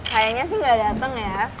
kayaknya sih gak dateng ya